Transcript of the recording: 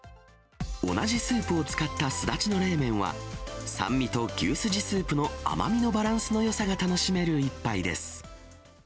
同じスープを使ったスダチの冷麺は、酸味と牛すじスープの甘みのバランスのよさが楽しめる一杯です。